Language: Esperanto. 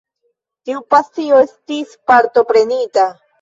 Tiu pasio estis partoprenita.